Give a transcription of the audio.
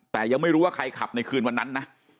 แต่ยังไม่รู้ว่าใครขับในคืนวันนั้นนะ